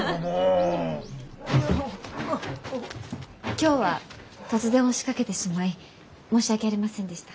今日は突然押しかけてしまい申し訳ありませんでした。